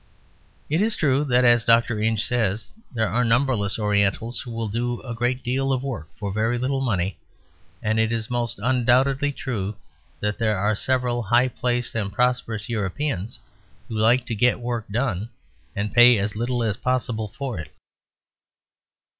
It is true that, as Dr. Inge says, there are numberless Orientals who will do a great deal of work for very little money; and it is most undoubtedly true that there are several high placed and prosperous Europeans who like to get work done and pay as little as possible for it.